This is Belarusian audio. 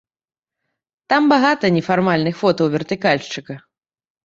Там багата нефармальных фотаў вертыкальшчыка.